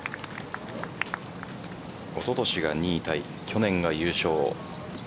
おととしが２位タイ去年が優勝。